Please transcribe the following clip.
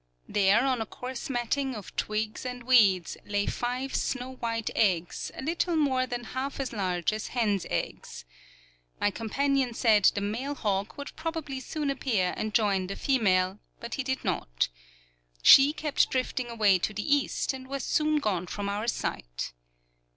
There, on a coarse matting of twigs and weeds, lay five snow white eggs, a little more than half as large as hens' eggs. My companion said the male hawk would probably soon appear and join the female, but he did not. She kept drifting away to the east, and was soon gone from our sight.